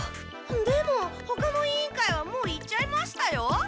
でもほかの委員会はもう行っちゃいましたよ！